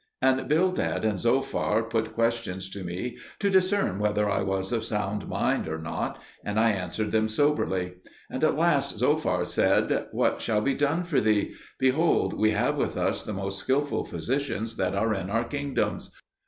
And Bildad and Zophar put questions to me to discern whether I was of sound mind or not, and I answered them soberly. And at last Zophar said, "What shall be done for thee? Behold, we have with us the most skilful physicians that are in our kingdoms.